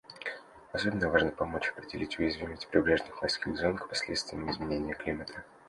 Особенно важно помочь определить уязвимость прибрежных морских зон к последствиям изменения климата.